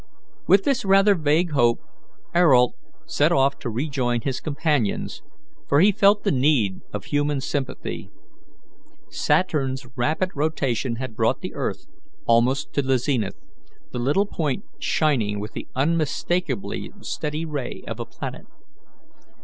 With this rather vague hope, Ayrault set off to rejoin his companions, for he felt the need of human sympathy. Saturn's rapid rotation had brought the earth almost to the zenith, the little point shining with the unmistakably steady ray of a planet.